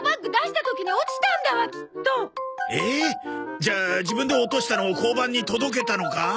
じゃあ自分で落としたのを交番に届けたのか？